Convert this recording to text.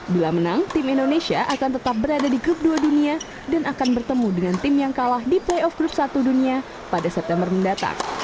bila menang tim indonesia akan tetap berada di grup dua dunia dan akan bertemu dengan tim yang kalah di playoff grup satu dunia pada september mendatang